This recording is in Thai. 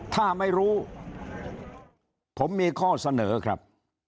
ถ้าไม่รู้ผมมีข้อเสนอครับ